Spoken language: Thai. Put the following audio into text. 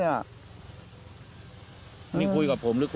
นี่คุยกับผมหรือครับ